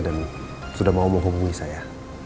dan sudah mau menghubungi saya